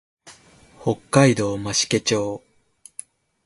北海道増毛町